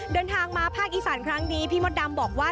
เดินทางมาภาคอีสานครั้งนี้พี่มดดำบอกว่า